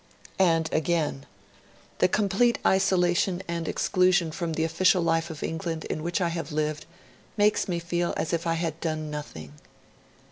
And again, 'The complete isolation and exclusion from the official life of England in which I have lived, makes me feel as if I had done nothing'.